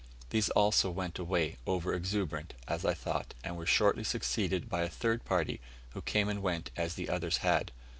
These also went away, over exuberant, as I thought, and were shortly succeeded by a third party, who came and went as the others had.